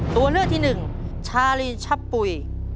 ตัวเลือกที่หนึ่งชาลีนชะปุ๋ย